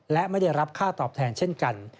และไม่ได้รับค่าตอบแทนเช่นกัน